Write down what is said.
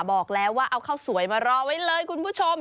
บอกแล้วว่าเอาข้าวสวยมารอไว้เลยคุณผู้ชม